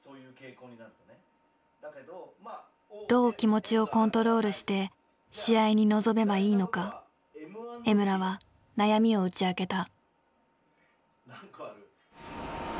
どう気持ちをコントロールして試合に臨めばいいのか江村は悩みを打ち明けた。